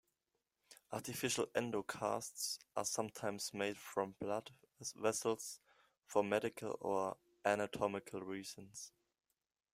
Artificial endocasts are sometimes made from blood vessels for medical or anatomical reasons.